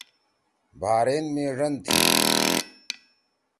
بحرین می ڙَن تھی۔